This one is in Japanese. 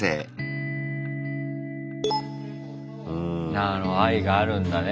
なるほど愛があるんだね。